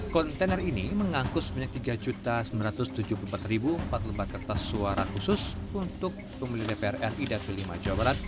kontainer ini mengangkut sebanyak tiga sembilan ratus tujuh puluh empat empat lembar kertas suara khusus untuk pemilih dpr ri datul lima jawa barat